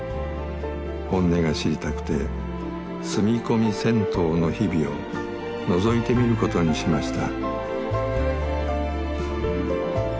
本音が知りたくて住み込み銭湯の日々をのぞいてみることにしました。